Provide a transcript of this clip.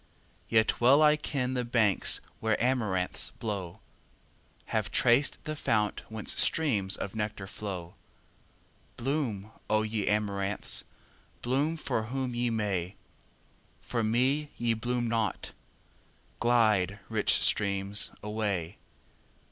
Yet well I ken the banks where amaranths blow, Have traced the fount whence streams of nectar flow. Bloom, O ye amaranths! bloom for whom ye may, For me ye bloom not! Glide, rich streams, away!